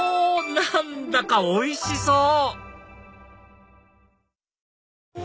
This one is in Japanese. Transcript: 何だかおいしそう！